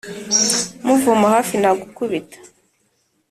Mvoma hafi nagukubita.